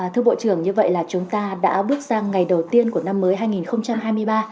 thưa bộ trưởng như vậy là chúng ta đã bước sang ngày đầu tiên của năm mới hai nghìn hai mươi ba